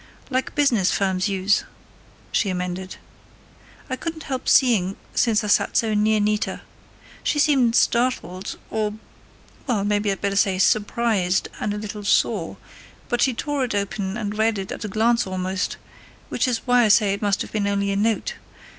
"Like business firms use," she amended. "I couldn't help seeing, since I sat so near Nita. She seemed startled or, well maybe I'd better say surprised and a little sore, but she tore it open and read it at a glance almost, which is why I say it must have been only a note.